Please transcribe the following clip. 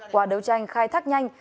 qua đấu tranh khai thác nhanh